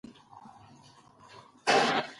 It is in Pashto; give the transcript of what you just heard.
خپل کاروبار مې په نوي ډول پیل کړ.